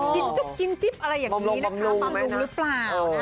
กินจุกกินจิ๊บอะไรแบบนี้ปำรุงหรือเปล่า